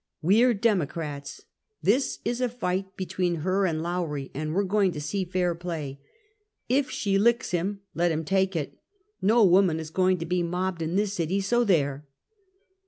We're Demo crats. Tbis is a figbt between ber and Lowrie, and we're going to see fair play. If sbe licks bim, let bim take it. No woman is going to be mobbed in tbis city ! So tliere